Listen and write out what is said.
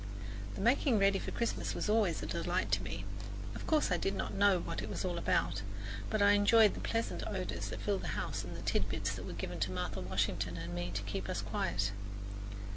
The making ready for Christmas was always a delight to me. Of course I did not know what it was all about, but I enjoyed the pleasant odours that filled the house and the tidbits that were given to Martha Washington and me to keep us quiet.